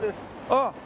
あっ！